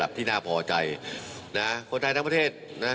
ที่น่าพอใจนะคนไทยทั้งประเทศนะ